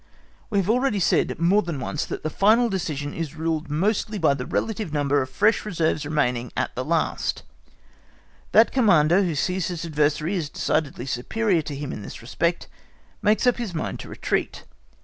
We have already said more than once that the final decision is ruled mostly by the relative number of the fresh reserves remaining at the last; that Commander who sees his adversary is decidedly superior to him in this respect makes up his mind to retreat.